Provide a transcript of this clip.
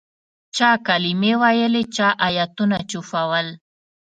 چا کلمې ویلې چا آیتونه چوفول.